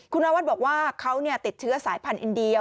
คุณนวัดบอกว่าเขาติดเชื้อสายพันธุอินเดีย